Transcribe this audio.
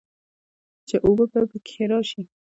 چې اوبۀ به پکښې راشي